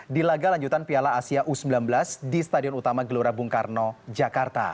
di laga lanjutan piala asia u sembilan belas di stadion utama gelora bung karno jakarta